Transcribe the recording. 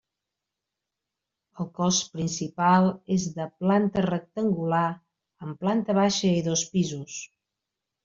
El cos principal és de planta rectangular, amb planta baixa i dos pisos.